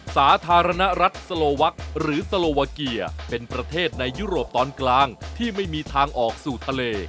สาธารณรัฐสโลวักหรือสโลวาเกียเป็นประเทศในยุโรปตอนกลางที่ไม่มีทางออกสู่ทะเล